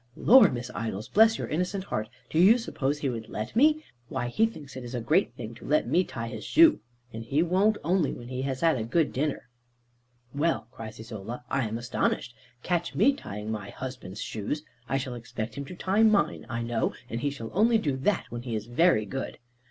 "Lor, Miss Idols, bless your innocent heart, do you suppose he would let me? Why he thinks it a great thing to let me tie his shoe, and he won't only when he has had a good dinner." "Well," cries Isola, "I am astonished! Catch me tying my husband's shoes! I shall expect him to tie mine, I know; and he shall only do that when he is very good."